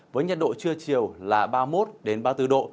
với nhiệt độ chưa chiều là ba mươi một đến ba mươi bốn độ